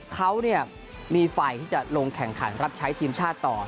เขามีไฟที่จะลงแข่งขันรับใช้ทีมชาติต่อ